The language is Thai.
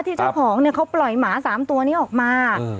ที่เจ้าของเนี่ยเขาปล่อยหมาสามตัวนี้ออกมา